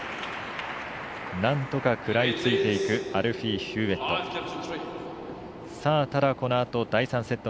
なんとか食らいついていくアルフィー・ヒューウェット。